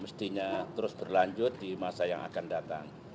mestinya terus berlanjut di masa yang akan datang